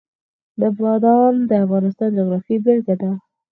بادام د افغانستان د جغرافیې بېلګه ده.